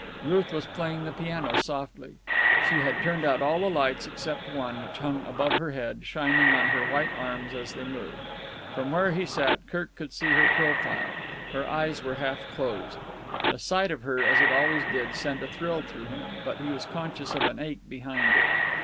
Ruth was playing the piano softly. She had turned out all the lights except one, which hung above her head, shining on her white arms as they moved. From where he sat Kirk could see her profile. Her eyes were half closed. The sight of her, as it always did, sent a thrill through him, but he was conscious of an ache behind it.